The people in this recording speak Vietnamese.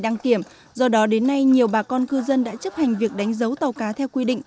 ngay nhiều bà con cư dân đã chấp hành việc đánh dấu tàu cá theo quy định